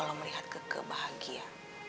kalau melihat keke bahagia